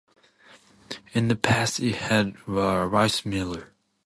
In the past it had a rice miller.